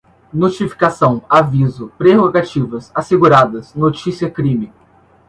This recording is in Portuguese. notificação, aviso, prerrogativas, asseguradas, notícia-crime